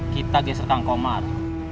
kita geser kang komar